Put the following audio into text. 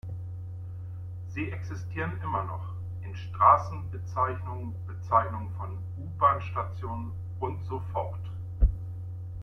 Sie existieren immer noch: in Straßenbezeichnungen, Bezeichnungen von U-Bahn-Stationen und so fort.